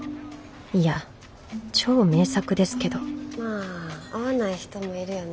いや超名作ですけどまあ合わない人もいるよね。